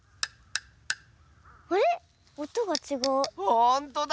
ほんとだ！